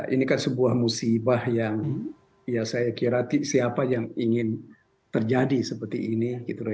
ini kan sebuah musibah yang ya saya kira siapa yang ingin terjadi seperti ini